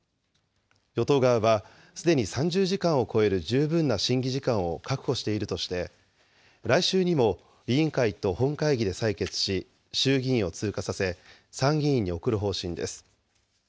与党側はすでに３０時間を超える十分な審議時間を確保しているとして、来週にも委員会と本会議で採決し、衆議院を通過させ、参議院に送る方針です。